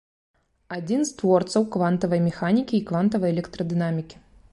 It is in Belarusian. Адзін з творцаў квантавай механікі і квантавай электрадынамікі.